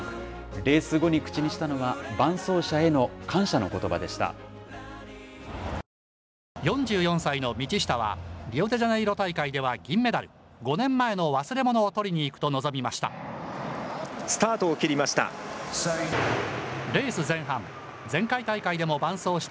レース後に口にしたのは、４４歳の道下は、リオデジャネイロ大会では銀メダル、５年前の忘れ物を取りに行くと臨みました。